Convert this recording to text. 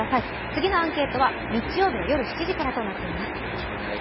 次のアンケートは日曜日の夜７時からとなっています。